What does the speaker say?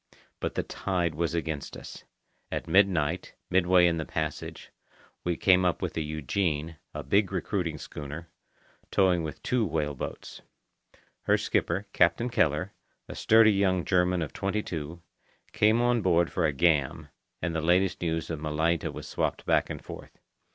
But the tide was against us. At midnight, midway in the passage, we came up with the Eugenie, a big recruiting schooner, towing with two whale boats. Her skipper, Captain Keller, a sturdy young German of twenty two, came on board for a "gam," and the latest news of Malaita was swapped back and forth.